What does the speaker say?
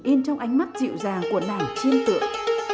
yên trong ánh mắt dịu dàng của nàng chiêm tượng